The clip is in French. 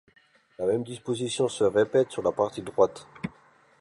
La même disposition se répète sur la partie droite.